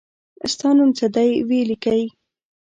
ستا نوم څه دی وي لیکی